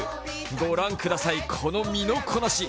御覧ください、この身のこなし。